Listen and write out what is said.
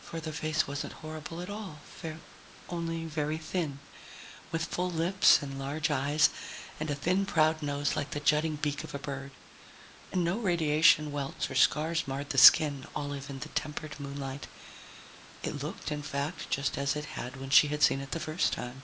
For the face wasn't horrible at all, only very thin, with full lips and large eyes and a thin proud nose like the jutting beak of a bird. And no radiation welts or scars marred the skin, olive in the tempered moonlight. It looked, in fact, just as it had when she had seen it the first time.